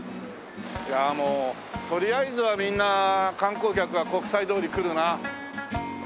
いやあもうとりあえずはみんな観光客は国際通り来るな。